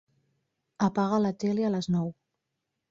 Apaga la tele a les nou.